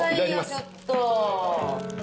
ちょっと。